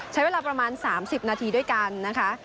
ใช้เวลาประมาณ๓๐นาทีด้วยกันนะคะ